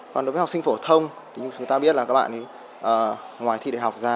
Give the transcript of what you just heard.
còn đối với học sinh phổ thông thì chúng ta biết là các bạn ngoài thi đại học ra